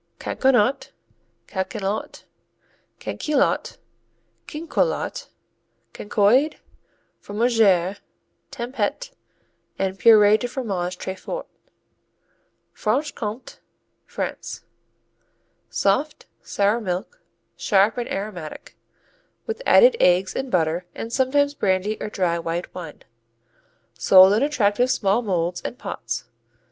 Cancoillotte, Cancaillotte, Canquoillotte, Quincoillotte, Cancoiade, Fromagère, Tempête and "Purée" de fromage tres fort Franche Comté, France Soft; sour milk; sharp and aromatic; with added eggs and butter and sometimes brandy or dry white wine. Sold in attractive small molds and pots.